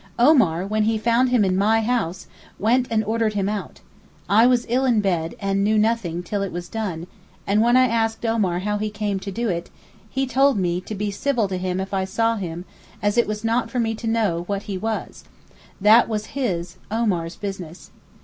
Omar, when he found him in my house, went and ordered him out. I was ill in bed, and knew nothing till it was done, and when I asked Omar how he came to do it, he told me to be civil to him if I saw him as it was not for me to know what he was; that was his (Omar's) business.